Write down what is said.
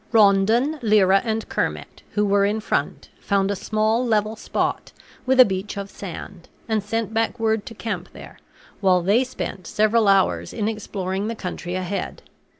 Rondon, Lyra, and Kermit, who were in front, found a small level spot, with a beach of sand, and sent back word to camp there, while they spent several hours in exploring the country ahead.